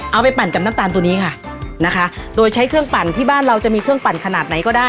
ปั่นกับน้ำตาลตัวนี้ค่ะนะคะโดยใช้เครื่องปั่นที่บ้านเราจะมีเครื่องปั่นขนาดไหนก็ได้